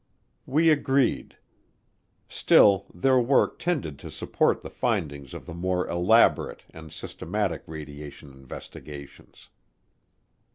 We agreed. Still their work tended to support the findings of the more elaborate and systematic radiation investigations.